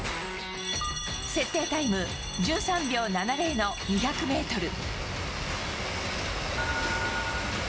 設定タイム１３秒７０の２００メートル。